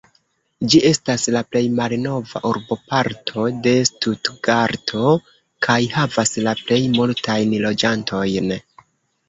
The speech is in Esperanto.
Ĝi estas la plej malnova urboparto de Stutgarto kaj havas la plej multajn loĝantojn.